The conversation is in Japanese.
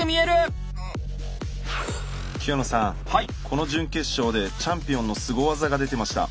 この準決勝でチャンピオンのスゴ技が出てました。